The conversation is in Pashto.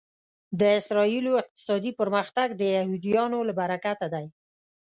د اسرایلو اقتصادي پرمختګ د یهودیانو له برکته دی